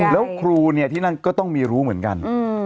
แล้วครูที่นั่นก็ต้องมีรู้เหมือนกัน